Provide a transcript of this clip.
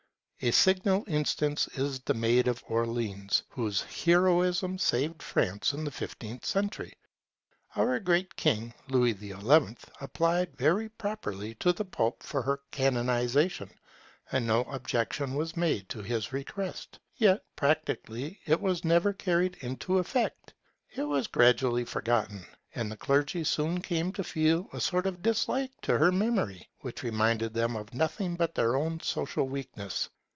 A signal instance is the Maid of Orleans, whose heroism saved France in the fifteenth century. Our great king Louis XI applied very properly to the Pope for her canonization, and no objection was made to his request. Yet, practically, it was never carried into effect. It was gradually forgotten; and the clergy soon came to feel a sort of dislike to her memory, which reminded them of nothing but their own social weakness.